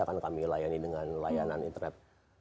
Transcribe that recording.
akan kami layani dengan layanan internet